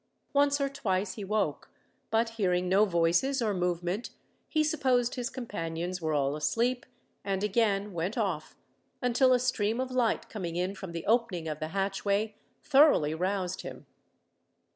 Once or twice he woke, but hearing no voices or movement, he supposed his companions were all asleep, and again went off, until a stream of light coming in from the opening of the hatchway thoroughly roused him.